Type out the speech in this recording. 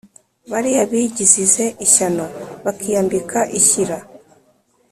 Bariya bigizize ishyano Bakiyambika ishyira